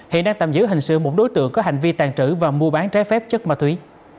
hiện đang tạm giữ hình sự một đối tượng có hành vi tàn trữ và mua bán trái phép chất ma túy